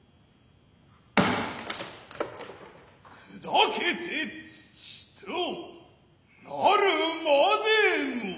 砕けて土となるまでも。